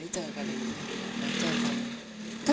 ถ้าเจอกัน